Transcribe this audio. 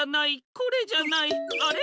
これじゃないあれ？